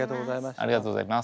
ありがとうございます。